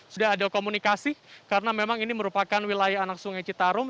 sudah ada komunikasi karena memang ini merupakan wilayah anak sungai citarum